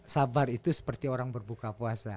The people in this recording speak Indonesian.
sabar itu seperti orang berbuka puasa